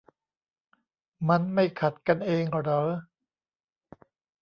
มันไม่ขัดกันเองเหรอ ?